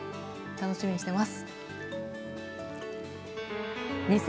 楽しみにしています。